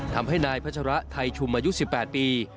ทำให้นายพัชระไทยชุมอายุ๑๘ปี